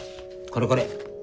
これこれ。